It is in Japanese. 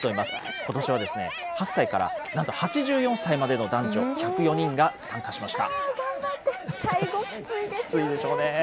ことしは８歳からなんと８４歳までの男女１０４人が参加しました。